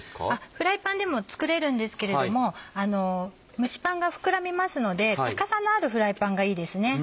フライパンでも作れるんですけれども蒸しパンが膨らみますので高さのあるフライパンがいいですね。